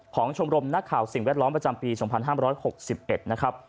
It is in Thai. ชมรมนักข่าวสิ่งแวดล้อมประจำปี๒๕๖๑นะครับ